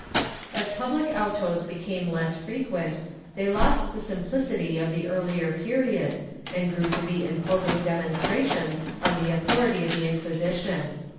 * As public autos became less frequent, they lost the simplicity of the earlier period and grew to be imposing demonstrations of the authority of the Inquisition.